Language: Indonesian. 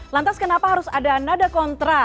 lantas kenapa harus ada nada kontra